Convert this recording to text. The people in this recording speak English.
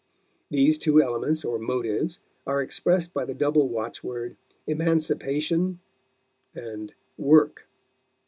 These two elements or motives are expressed by the double watchword, "Emancipation" and "Work."